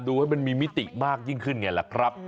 ให้มันมีมิติมากยิ่งขึ้นไงล่ะครับ